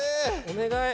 お願い。